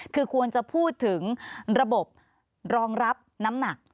คือควรจะพูดถึงระบบรองเร็บน้ำหนักถูกไหม